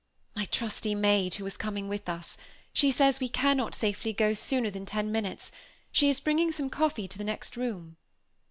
"My trusty maid, who is coming with us. She says we cannot safely go sooner than ten minutes. She is bringing some coffee to the next room."